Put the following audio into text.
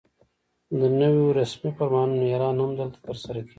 د نویو رسمي فرمانونو اعلان هم دلته ترسره کېږي.